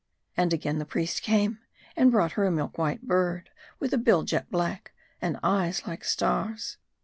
And again the priest came, and brought her a milk white bird, with a bill jet black, and eyes like stars.